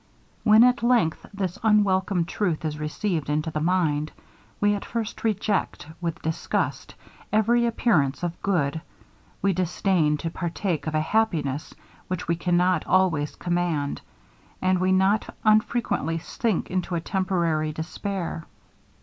When at length this unwelcome truth is received into the mind, we at first reject, with disgust, every appearance of good, we disdain to partake of a happiness which we cannot always command, and we not unfrequently sink into a temporary despair.